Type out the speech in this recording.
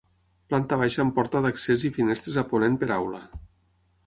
Planta baixa amb porta d'accés i finestres a ponent per aula.